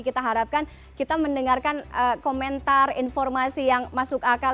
kita harapkan kita mendengarkan komentar informasi yang masuk akal